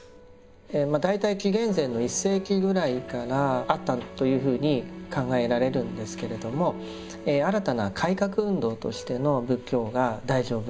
大体紀元前の１世紀ぐらいからあったというふうに考えられるんですけれども新たな改革運動としての仏教が大乗仏教です。